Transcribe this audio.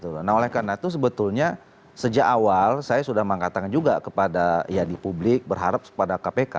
nah oleh karena itu sebetulnya sejak awal saya sudah mengatakan juga kepada ya di publik berharap kepada kpk